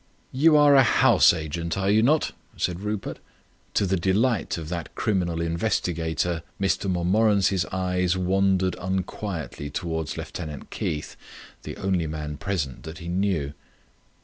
"You are a house agent, are you not?" asked Rupert. To the delight of that criminal investigator, Mr Montmorency's eyes wandered unquietly towards Lieutenant Keith, the only man present that he knew.